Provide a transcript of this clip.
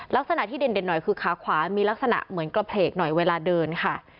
ลักษณะที่เด่นหน่อยคือขาขวามีลักษณะเหมือนกระเพลกหน่อยเวลาเดินค่ะ